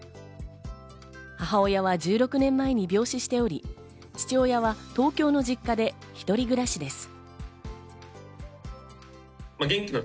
母親は１６年前に病死しており、父親は東京の実家で一人暮らしです。